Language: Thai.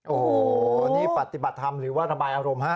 โอ้โหนี่ปฏิบัติธรรมหรือว่าระบายอารมณ์ฮะ